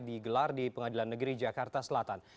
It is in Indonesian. digelar di pengadilan negeri jakarta selatan